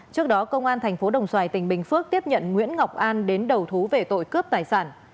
trước đó công an thành phố đồng xoài tỉnh bình phước tiếp nhận nguyễn ngọc an đến đầu thú về tội cướp tài sản